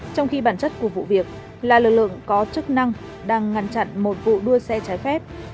trong khi bản chất của vụ việc là lực lượng có chức năng đang ngăn chặn một vụ đua xe trái phép